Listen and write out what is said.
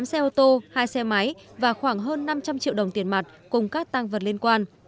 bốn xe ô tô hai xe máy và khoảng hơn năm trăm linh triệu đồng tiền mặt cùng các tăng vật liên quan